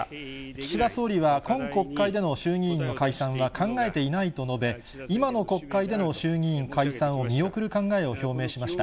岸田総理は、今国会での衆議院の解散は考えていないと述べ、今の国会での衆議院解散を見送る考えを表明しました。